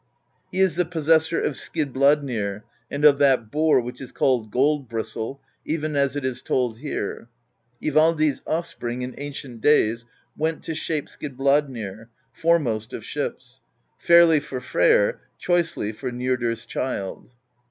He is the possessor of Skidbladnir and of that boar which is called Gold Bristle, even as it is told here: Ivaldi's offspring In ancient days Went to shape Skidbladnir, Foremost of ships, Fairly for Freyr, Choicely for Njordr's child.